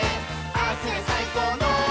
「ああすりゃさいこうの」